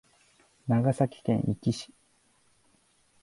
長崎県壱岐市